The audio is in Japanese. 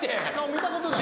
見たことない。